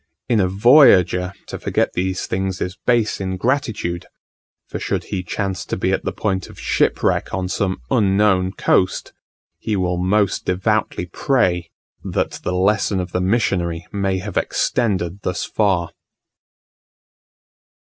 In a voyager to forget these things is base ingratitude; for should he chance to be at the point of shipwreck on some unknown coast, he will most devoutly pray that the lesson of the missionary may have extended thus far.